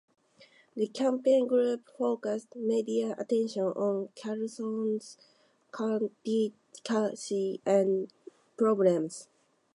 The campaign group focused media attention on Carlson's candidacy and Grunseth's problems.